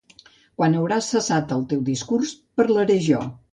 Quan hauràs cessat el teu discurs, parlaré jo.